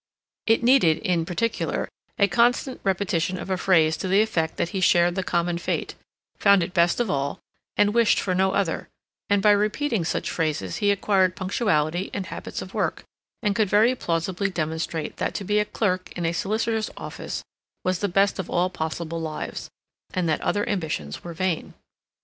It needed, in particular, a constant repetition of a phrase to the effect that he shared the common fate, found it best of all, and wished for no other; and by repeating such phrases he acquired punctuality and habits of work, and could very plausibly demonstrate that to be a clerk in a solicitor's office was the best of all possible lives, and that other ambitions were vain.